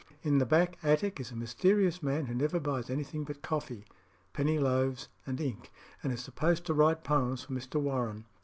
In the back attic is a mysterious man who never buys anything but coffee, penny loaves, and ink, and is supposed to write poems for Mr. Warren.